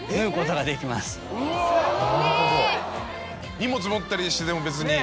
荷物持ったりしてても別に。